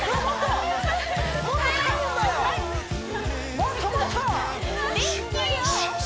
もっともっと！